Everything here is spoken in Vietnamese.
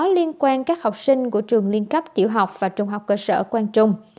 liên quan các học sinh của trường liên cấp tiểu học và trung học cơ sở quang trung